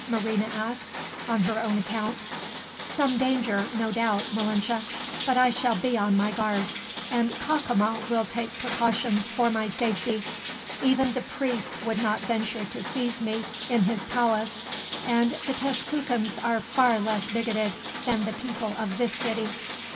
Marina asked, on her own account. "Some danger, no doubt, Malinche; but I shall be on my guard, and Cacama will take precautions for my safety. Even the priests would not venture to seize me in his palace, and the Tezcucans are far less bigoted than the people of this city."